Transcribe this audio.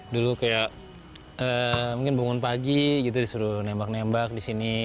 dulu kayak mungkin bangun pagi gitu disuruh nembak nembak di sini